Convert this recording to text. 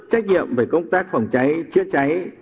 trách nhiệm về công tác phòng cháy trợ cháy